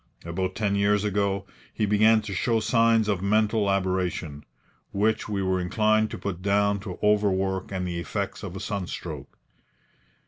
About ten years ago he began to show signs of mental aberration, which we were inclined to put down to overwork and the effects of a sunstroke.